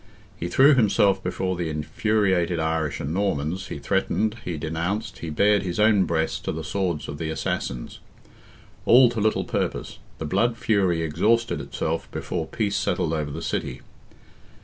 He threw himself before the infuriated Irish and Normans, he threatened, he denounced, he bared his own breast to the swords of the assassins. All to little purpose; the blood fury exhausted itself before peace settled over the city.